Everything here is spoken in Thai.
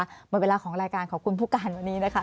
หมดเวลาของรายการขอบคุณผู้การวันนี้นะคะ